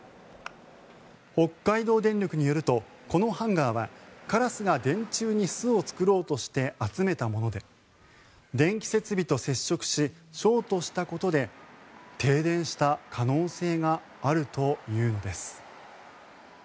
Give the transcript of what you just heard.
北海道電力によるとこのハンガーはカラスが電柱に巣を作ろうとして集めたもので電気設備と接触しショートしたことで停電した可能性があるというのです。